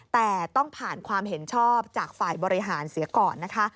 แต่ต้องผ่านความเห็นชอบจากฝ่ายบริหารเสียก่อนนะคะ